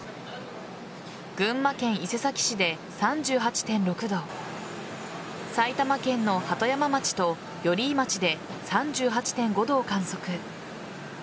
群馬県伊勢崎市で３８．６度埼玉県の鳩山町と寄居町で３８．５度を観測。